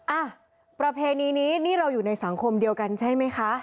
อ่ะประเพณีนี้นี่เราอยู่ในสังคมเดียวกันใช่ไหมคะ